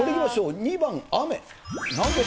２番、雨。